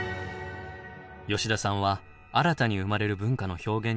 吉田さんは新たに生まれる文化の表現にも注目しています。